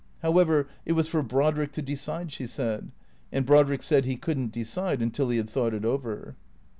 However, it was for Brodrick to decide, she said. And Brod rick said he could n't decide until he had thought it over.